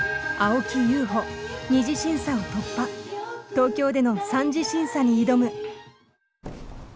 東京での３次審査に挑む。